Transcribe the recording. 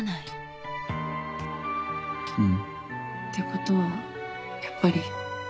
ってことはやっぱり。